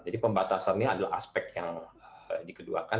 jadi pembatasannya adalah aspek yang dikeduakan